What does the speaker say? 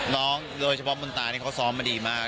น้องโดยเฉพาะมนตรานี่เขาซ้อมมาดีมาก